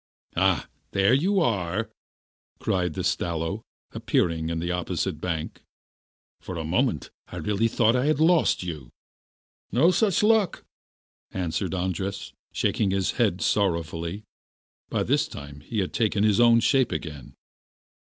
'Ah! There you are,' cried the Stalo, appearing on the opposite bank; 'for a moment I really thought I had lost you.' 'No such luck,' answered Andras, shaking his head sorrowfully. By this time he had taken his own shape again.